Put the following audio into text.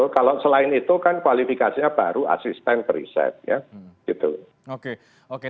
kalau selain itu kan kualifikasinya baru asisten perisai